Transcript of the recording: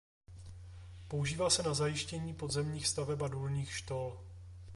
Používá se na zajištění podzemních staveb a důlních štol.